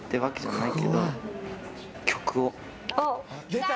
出た！